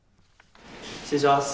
失礼します。